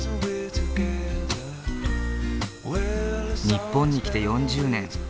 日本に来て４０年。